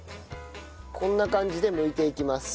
こんな感じでむいていきます